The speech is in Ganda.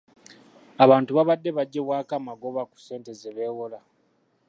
Abantu babadde baggyibwako amagoba ku ssente ze beewola.